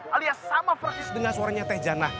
alias sama praktis dengan suaranya teh jannah